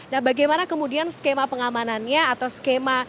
nah bagaimana kemudian skema pengamanannya atau skema